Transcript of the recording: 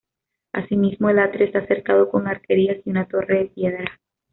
Asimismo el atrio esta cercado con arquerías y una torre de piedra.